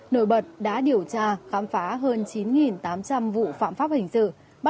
nổi bật đã điều tra khám phá